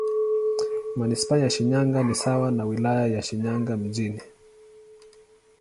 Manisipaa ya Shinyanga ni sawa na Wilaya ya Shinyanga Mjini.